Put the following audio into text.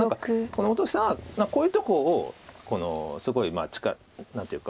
本木さんはこういうとこをすごい何ていうか。